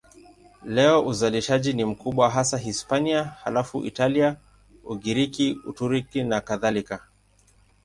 Leo uzalishaji ni mkubwa hasa Hispania, halafu Italia, Ugiriki, Uturuki nakadhalika.